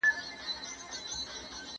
حکومتونه د نویو تړونونو په متن کي څه شاملوي؟